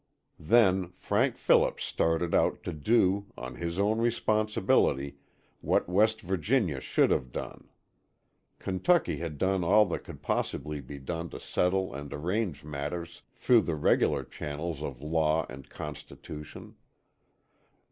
Then Frank Phillips started out to do, on his own responsibility, what West Virginia should have done. Kentucky had done all that could possibly be done to settle and arrange matters through the regular channels of law and constitution.